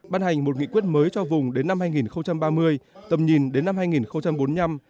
ban hành một nghị quyết mới cho vùng đến năm hai nghìn ba mươi tầm nhìn đến năm hai nghìn bốn mươi năm